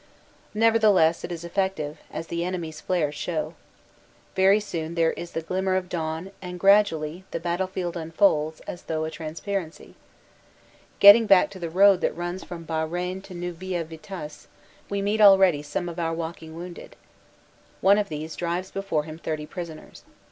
Nevertheless it is effective, as the enemy s flares show. Very soon there is the glimmer of dawn and gradually the battlefield unfolds, as through a transparency. Getting back to the road that runs from Beaurains to Neuville Vitasse, we meet already some of our walking wounded. One of these drives before him thirty prisoners.